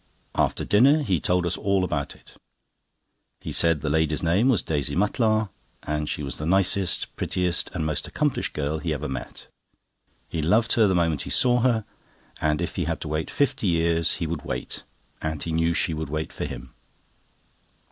After dinner he told us all about it. He said the lady's name was Daisy Mutlar, and she was the nicest, prettiest, and most accomplished girl he ever met. He loved her the moment he saw her, and if he had to wait fifty years he would wait, and he knew she would wait for him.